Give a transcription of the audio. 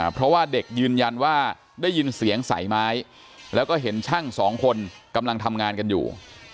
เพราะว่าเด็กยืนยันว่าได้ยินเสียงสายไม้แล้วก็เห็นช่างสองคนกำลังทำงานกันอยู่